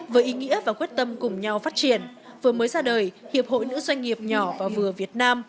với ý nghĩa và quyết tâm cùng nhau phát triển vừa mới ra đời hiệp hội nữ doanh nghiệp nhỏ và vừa việt nam